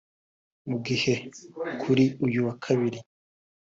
Mu gihe kuri uyu wa Kabiri